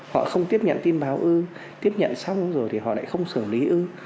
họ không tiếp nhận tin báo ưu tiếp nhận xong rồi thì họ lại không xử lý ưu